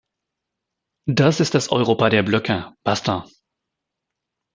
Das ist das Europa der Blöcke, basta!